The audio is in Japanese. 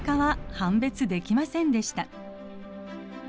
判別できませんでした。